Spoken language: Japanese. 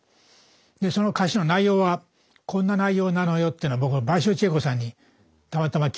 でその歌詞の内容はこんな内容なのよってのを僕は倍賞千恵子さんにたまたま聞いたのね。